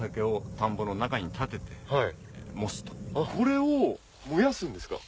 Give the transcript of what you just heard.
これを燃やすんですか？